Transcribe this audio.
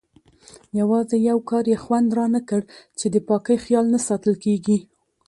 یوازې یو کار یې خوند رانه کړ چې د پاکۍ خیال نه ساتل کېږي.